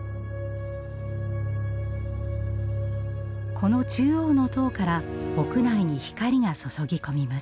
この中央の塔から屋内に光が注ぎ込みます。